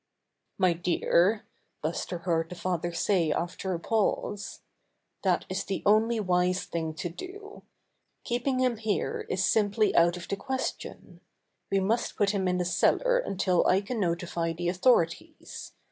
"My dear," Buster heard the father say after a pause, "that is the only wise thing to Buster is to be Sent to the Zoo 123 do. Keeping him here is simply out of the question. We must put him in the cellar until I can notify the authorities.